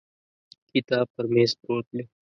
کتاب پر مېز پروت دی.